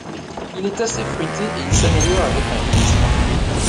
Il est assez fruité et il s'améliore avec un vieillissement.